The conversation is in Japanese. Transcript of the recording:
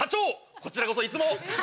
こちらこそいつも。